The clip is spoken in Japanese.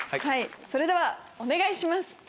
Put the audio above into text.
はいそれではお願いします。